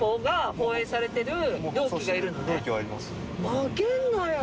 「負けんなや」